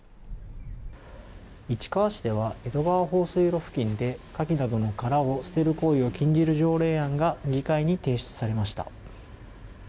市川市では江戸川放水路付近でカキなどの殻を捨てる行為を禁じる条例案が議会に提出されました。